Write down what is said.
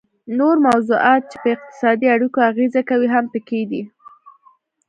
نور موضوعات چې په اقتصادي اړیکو اغیزه کوي هم پکې دي